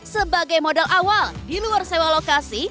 sebagai modal awal di luar sewa lokasi